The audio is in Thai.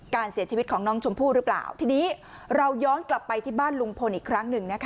การเสียชีวิตของน้องชมพู่หรือเปล่าทีนี้เราย้อนกลับไปที่บ้านลุงพลอีกครั้งหนึ่งนะคะ